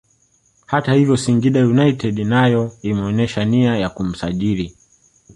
Hata hivyo Singida United nayo imeonyesha nia ya kumsajili